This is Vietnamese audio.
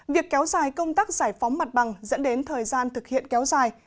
việc kéo dài công tác giải phóng mặt bằng dẫn đến thời gian thực hiện kéo dài